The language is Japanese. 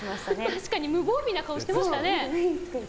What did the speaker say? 確かに無防備な顔してましたね。